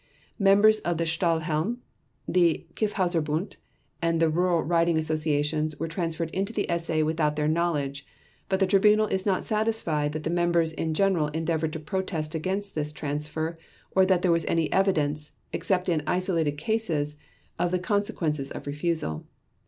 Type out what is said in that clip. Members of the Stahlhelm, the Kyffhauserbund, and the rural riding associations were transferred into the SA without their knowledge, but the Tribunal is not satisfied that the members in general endeavored to protest against this transfer or that there was any evidence, except in isolated cases, of the consequences of refusal.